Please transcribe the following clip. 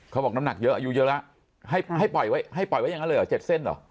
เขาบอกน้ำหนักเยอะอายุเยอะแล้วให้ปล่อยไว้ให้ปล่อยไว้อย่างนั้นเลยเหรอ๗เส้นเหรอ